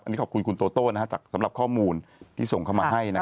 อันนี้ขอบคุณคุณโต้นะครับสำหรับข้อมูลที่ส่งเข้ามาให้